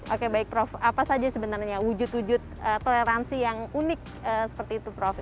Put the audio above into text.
oke baik prof apa saja sebenarnya wujud wujud toleransi yang unik seperti itu prof